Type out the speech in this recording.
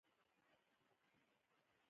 او پوهیږي چي ختم به شي